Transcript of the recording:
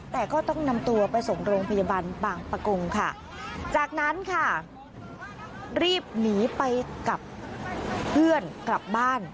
แต่ก็ต้องนำตัวไปส่งโรงพยาบาลบางปะกงค่ะจากนั้นค่ะรีบหนีไปกับเพื่อนกลับบ้าน